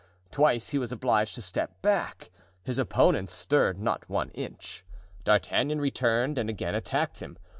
Twice he was obliged to step back; his opponent stirred not one inch. D'Artagnan returned and again attacked him.